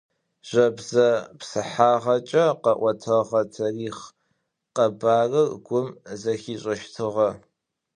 Жэбзэ псыхьагъэкӏэ къэӏотэгъэ тарихъ къэбарыр гум зэхишӏэщтыгъэ.